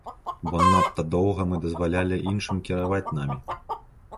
Бо надта доўга мы дазвалялі іншым кіраваць намі.